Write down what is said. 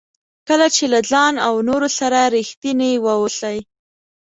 کله چې له ځان او نورو سره ریښتیني واوسئ.